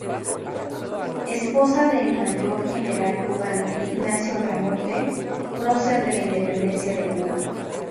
Esposa del Mayor general cubano Ignacio Agramonte, prócer de la independencia de Cuba.